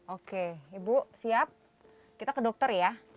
oke ibu siap kita ke dokter ya